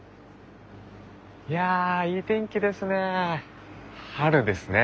いやいい天気ですね。